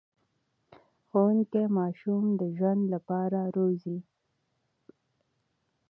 ښوونکي ماشومان د ژوند لپاره روزي.